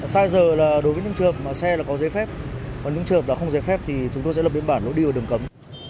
sai giờ là đối với những trường hợp mà xe là có dây phép mà những trường hợp là không dây phép thì chúng tôi sẽ lập biến bản nó đi vào đường cấm